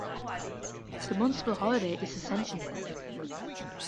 The municipal holiday is Ascension Day.